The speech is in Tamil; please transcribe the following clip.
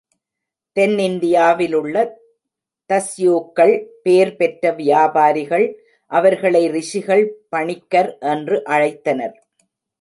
தென் இந்தியாவிலுள்ள தஸ்யூக்கள், பேர் பெற்ற வியாபாரிகள், அவர்களை ரிஷிகள், பணிக்கர் என்று அழைத்தனர்.